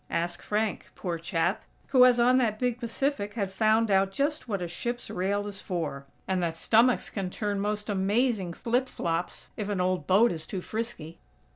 Ask Frank, poor chap, who, as on that big Pacific, had found out just what a ship's rail is for! And that stomachs can turn most amazing flip flops if an old boat is too frisky!